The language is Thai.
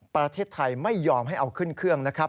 ประเทศไทยไม่ยอมให้เอาขึ้นเครื่องนะครับ